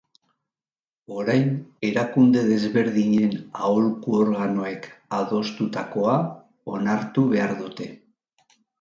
Orain erakunde desberdinen aholku organoek adostutakoa onartu behar dute.